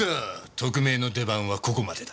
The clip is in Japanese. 特命の出番はここまでだ。